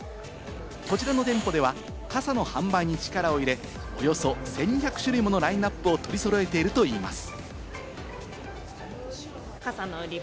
こちらの店舗では、傘の販売に力を入れ、およそ１２００種類ものラインナップを取りそろえているといいます。